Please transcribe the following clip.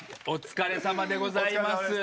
お疲れさまでございます。